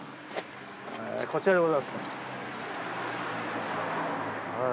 こちらでございますね。